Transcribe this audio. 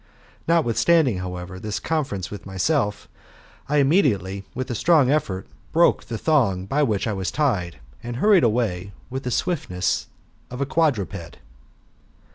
[Notwithstanding, liowever, this conference with myself,] I immediately, with a strong effort, broke the thong by which I was tied, and hurried away with the swiftness of a quadruped.